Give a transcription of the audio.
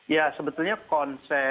ya sebetulnya konsep mitigasi